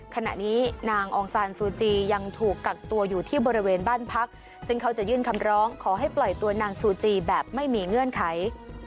ขณะนี้นางองซานซูจียังถูกกักตัวอยู่ที่บริเวณบ้านพักซึ่งเขาจะยื่นคำร้องขอให้ปล่อยตัวนางซูจีแบบไม่มีเงื่อนไข